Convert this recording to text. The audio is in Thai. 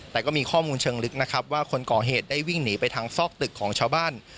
แต่ก็มีข้อมูลเชิงลึกนะครับว่าคนก่อเหตุได้วิ่งหนีไปทางซอกตึกของชาวบ้าน